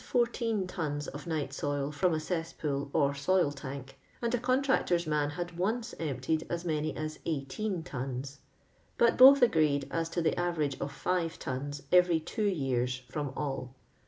fourteen tons of night soil from a cesspool or ■oil tank, and a contractor's man had onc« emptied as many as eif^hteen tons, but botli agreed as to the average of five tons every two years from all.